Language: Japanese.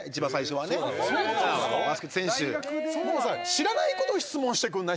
知らない事を質問してくんない？